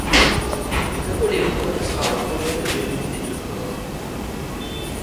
Napoléon renoncera au projet de réunion des deux corps.